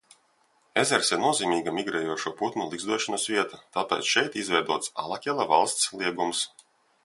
Ezers ir nozīmīga migrējošo putnu ligzdošanas vieta, tāpēc šeit izveidots Alakela valsts liegums.